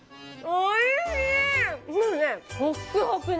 おいしい！